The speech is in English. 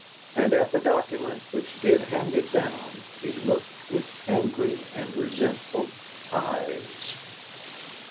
And at the document which did hand it down he looked with angry and resentful eyes.